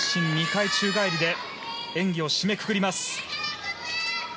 ２回宙返りで演技を締めくくります。